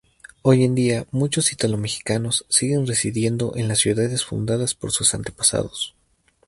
Hoy en día, muchos italo-mexicanos siguen residiendo en las ciudades fundadas por sus antepasados.